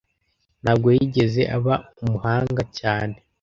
ntabwo yigeze aba umuhanga cyane